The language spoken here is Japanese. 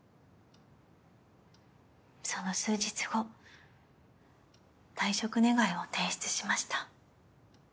その数日後退職願を提出しました。